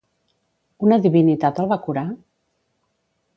Una divinitat el va curar?